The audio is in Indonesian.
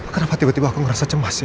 kenapa tiba tiba aku ngerasa cemas